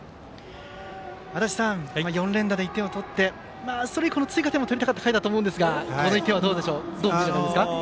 足達さん、４連打で１点を取ってそれ以降の追加点も取りたかった回だと思いますがこの１点はどうでしょう。